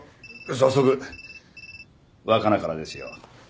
早速若菜からですよ。